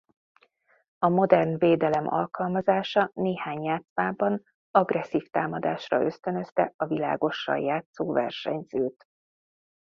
A modern védelem alkalmazása néhány játszmában agresszív támadásra ösztönözte a világossal játszó versenyzőt.